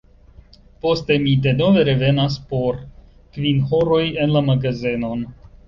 Poste mi denove revenas por kvin horoj en la magazenon.